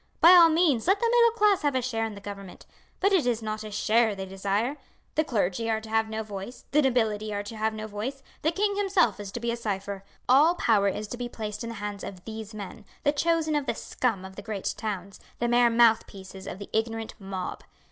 By all means let the middle class have a share in the government; but it is not a share they desire. The clergy are to have no voice; the nobility are to have no voice; the king himself is to be a cipher. All power is to be placed in the hands of these men, the chosen of the scum of the great towns, the mere mouthpieces of the ignorant mob.